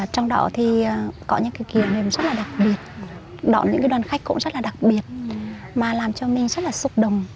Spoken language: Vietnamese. trong đó thì có những cái kỷ niệm rất là đặc biệt đón những đoàn khách cũng rất là đặc biệt mà làm cho mình rất là xúc động